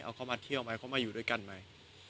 เอาเขามาเที่ยวไหมเขามาอยู่ด้วยกันไหม